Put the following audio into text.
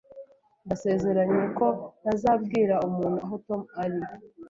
Ndasezeranye ko ntazabwira umuntu aho Tom ari